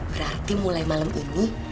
berarti mulai malam ini